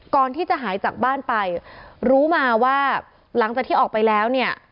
ก่อนที่จะหายจากบ้านไปรู้มาว่าหลังจากที่ออกไปแล้วเนี่ย